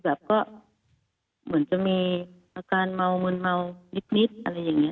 แบบก็เหมือนจะมีอาการเมามืนเมานิดอะไรอย่างนี้